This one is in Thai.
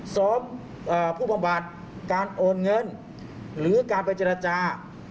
ซ้อมผู้บำบัดการโอนเงินหรือการไปเจรจา